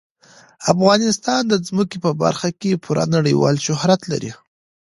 افغانستان د ځمکه په برخه کې پوره نړیوال شهرت لري.